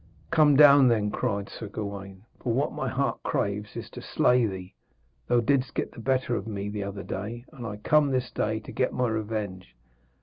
'Come down, then,' cried Sir Gawaine, 'for what my heart craves is to slay thee. Thou didst get the better of me the other day, and I come this day to get my revenge.